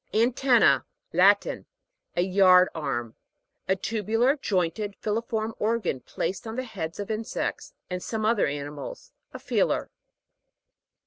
ANTEN'NA. Latin. A yard arm. A tubular, jointed, filiform organ, placed on the head of insects, and some other animals. A feeler.